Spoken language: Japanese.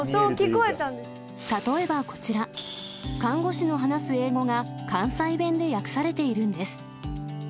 でも、例えばこちら、看護師の話す英語が関西弁で訳されているんです。